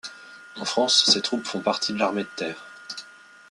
En France, ces troupes font partie de l'armée de terre.